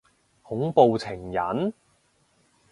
恐怖情人？